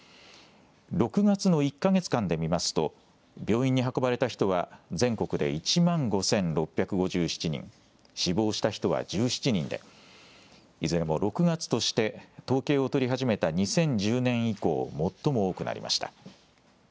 ６月の１か月間で見ますと病院に運ばれた人は全国で１万５６５７人、死亡した人は１７人でいずれも６月として統計を取り始めた２０１０年以降、最も多くなりました。